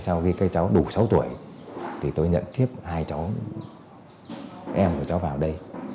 sau khi cháu đủ sáu tuổi tôi nhận tiếp hai cháu em của cháu vào đây